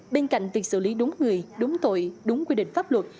bên cạnh việc xử lý đúng người đúng tội đúng quy định pháp luật